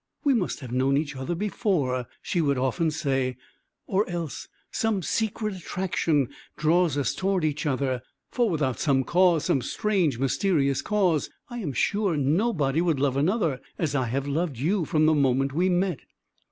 "We must have known each other before," she would often say, "or else some secret attraction draws us toward each other; for without some cause, some strange, mysterious cause, I am sure nobody would love another as I have loved you from the moment we met."